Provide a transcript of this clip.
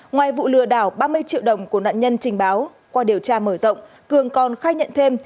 ngoài vụ lừa đảo ba mươi triệu đồng của nạn nhân trình báo qua điều tra mở rộng cường còn khai nhận thêm